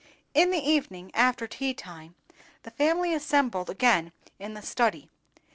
In the evening, after tea time, the family assembled again in the study.